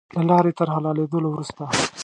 له لارې تر حلالېدلو وروسته.